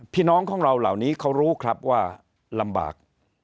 พี่น้องของเราเหล่านี้เขารู้ครับว่าลำบาก